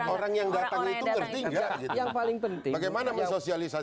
orang yang datang itu ngerti enggak